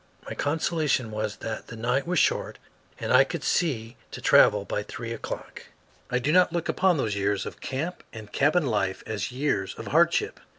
My consolation was that the night was short and I could see to travel by three o'clock. I do not look upon those years of camp and cabin life as years of hardship.